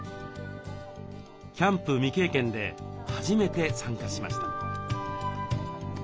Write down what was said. キャンプ未経験で初めて参加しました。